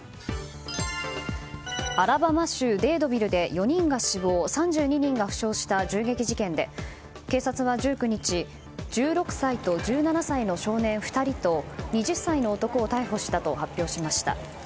アラバマ州デードビルで４人が死亡、３２人が負傷した銃撃事件で警察は１９日、１６歳と１７歳の少年２人と、２０歳の男を逮捕したと発表しました。